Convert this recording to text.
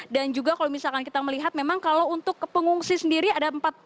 dan juga kalau misalkan kita melihat memang kalau untuk pengungsi sendiri ada empat posko